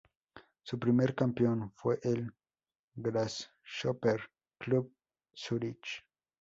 Su primer campeón fue el Grasshopper Club Zürich.